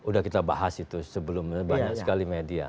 udah kita bahas itu sebelumnya banyak sekali media